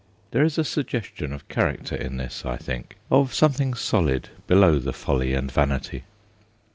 There is a sugges tion of character in this, I think of some thing solid below the folly and vanity.